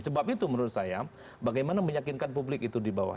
sebab itu menurut saya bagaimana meyakinkan publik itu di bawah